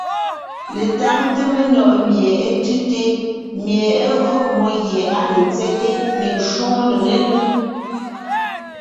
Letáŋte menɔ̀ʼ mie é tʉ́te, mie é gÿo mmó gie á ne nzɛ́te mbiŋ shwóŋo nò nénʉ́.